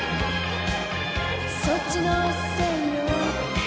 「そっちのせいよ」